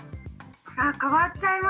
あ変わっちゃいました。